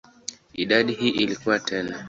Idadi hii ilikua tena.